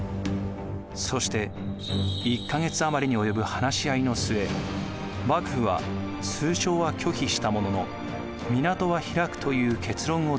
そして１か月余りにおよぶ話し合いの末幕府は通商は拒否したものの港は開くという結論を出します。